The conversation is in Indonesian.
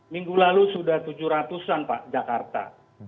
minggu lalu sudah tujuh ratus an pak jakarta